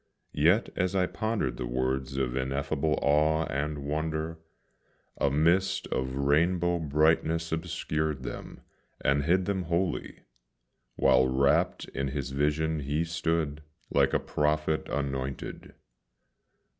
Yet as I pondered the words of ineffable awe and wonder, A mist of rainbow brightness obscured them, and hid them wholly, While wrapt in his vision he stood, like a prophet anointed.